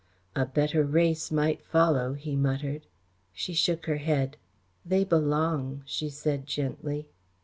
"A better race might follow," he muttered. She shook her head. "They belong," she said gently.